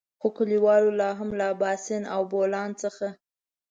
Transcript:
خو کليوالو لاهم له اباسين او بولان څخه.